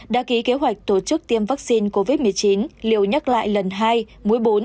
đã ký kế hoạch tổ chức tiêm vaccine covid một mươi chín liều nhắc lần thứ hai mũi bốn